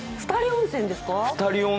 ２人温泉ですか？